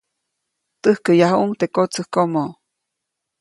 Täjkäyajuʼuŋ teʼ kotsäjkomo.